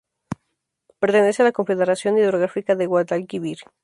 Pertenece a la Confederación hidrográfica del Guadalquivir.